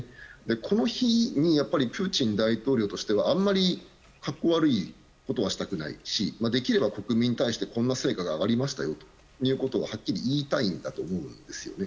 この日にプーチン大統領としてはあまり格好悪いことはしたくないしできれば国民に対してこんな成果が上がりましたよとはっきり言いたいんだと思うんですよね。